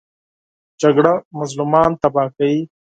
جګړه مظلومان تباه کوي